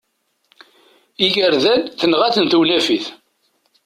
Igerdan tenɣa-ten tewnafit.